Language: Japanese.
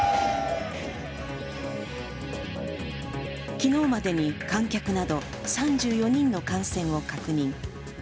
昨日までに観客など３４人の感染を確認。